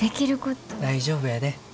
大丈夫やで。